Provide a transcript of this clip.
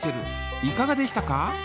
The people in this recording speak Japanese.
いかがでしたか？